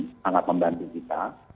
sangat membantu kita